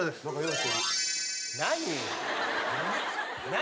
何？